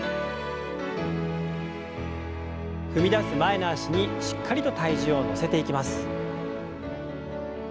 踏み出す前の脚にしっかりと体重を乗せていきます。